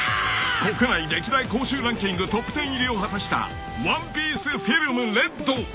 ［国内歴代興収ランキングトップテン入りを果たした『ＯＮＥＰＩＥＣＥＦＩＬＭＲＥＤ』］